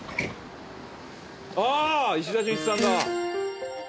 ああ石田純一さんだ。